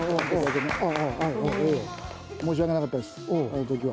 申し訳なかったです、あのときは。